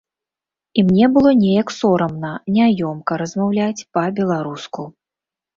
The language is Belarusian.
І мне было неяк сорамна, няёмка размаўляць па-беларуску.